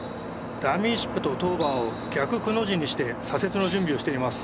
ダミーシップとトーバーを「逆くの字」にして左折の準備をしています。